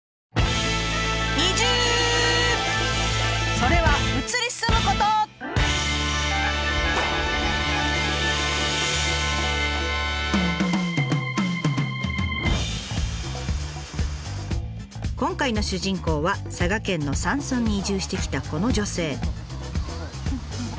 それは今回の主人公は佐賀県の山村に移住してきたこの女性。